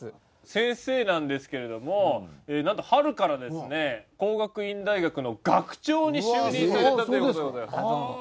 先生なんですけれどもなんと春からですね工学院大学の学長に就任されたという事でございます。